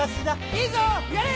いいぞやれ！